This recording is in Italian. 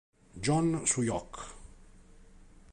Jong Su-hyok